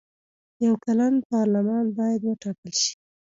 یو کلن پارلمان باید وټاکل شي.